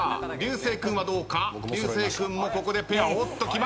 流星君もここでペアおっときました。